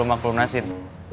lu ngapain bawa gue ke sini